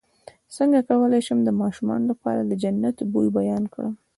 څنګه کولی شم د ماشومانو لپاره د جنت د بوی بیان کړم